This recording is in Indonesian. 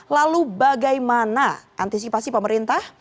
lalu bagaimana antisipasi pemerintah